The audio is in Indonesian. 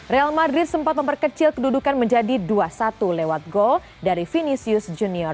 real madrid sempat memperkecil kedudukan menjadi dua satu lewat gol dari vinisius junior